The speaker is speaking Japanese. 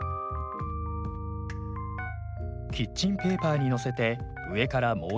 キッチンペーパーにのせて上からもう